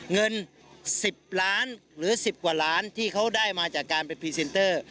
เงิน๑๐ล้านหรือ๑๐กว่าล้านที่เขาได้มาจากการเป็นพรีเซนเตอร์